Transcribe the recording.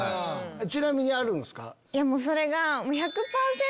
ちなみにあるんすか？